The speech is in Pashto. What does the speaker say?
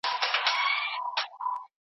آیا ثبات د ټولنې لپاره اړین دی؟